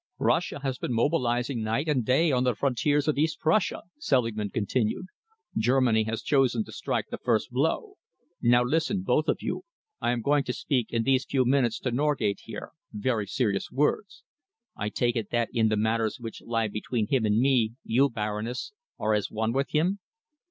"Russia has been mobilising night and day on the frontiers of East Prussia," Selingman continued. "Germany has chosen to strike the first blow. Now listen, both of you. I am going to speak in these few minutes to Norgate here very serious words. I take it that in the matters which lie between him and me, you, Baroness, are as one with him?"